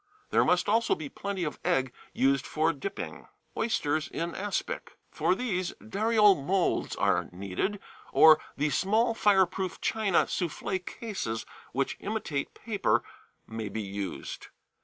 There must also be plenty of egg used for dipping. Oysters in Aspic. For these dariole moulds are needed, or the small fire proof china soufflée cases which imitate paper may be used.